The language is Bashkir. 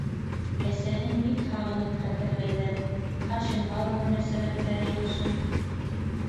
Әсәһен бик һағынып хәтерләйҙәр, Хашимға ла мөнәсәбәттәре яҡшы...